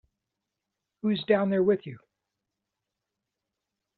Who's down there with you?